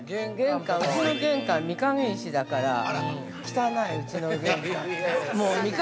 うちの玄関、御影石だから汚い、うちの玄関。